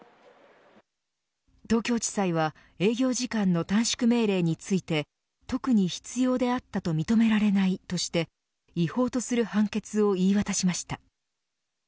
東京地裁は営業時間の短縮命令について特に必要であったと認められないとして違法とする判決を言い渡しました。